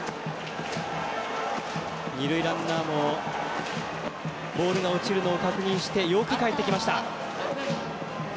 二塁ランナーもボールが落ちるのを確認してよくかえってきました。